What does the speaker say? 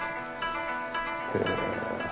へえ！